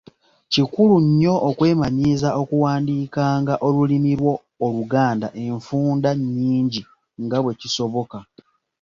Kikulu nnyo okwemanyiiza okuwandiikanga olulimi lwo Oluganda enfunda nnyingi nga bwe kisoboka.